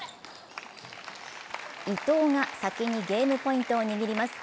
伊藤が先にゲームポイントを握ります。